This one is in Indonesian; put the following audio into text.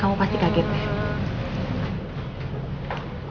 kamu pasti kaget deh